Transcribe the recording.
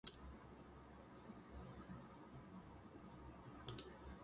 Young people are very much dependent on mobile devices.